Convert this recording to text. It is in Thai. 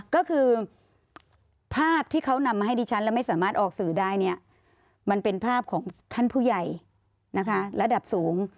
ก็คือภาพที่เขานำมาให้ดิฉันและไม่สามารถออกสื่อได้เนี่ยมันเป็นภาพของท่านผู้ใหญ่นะคะระดับสูง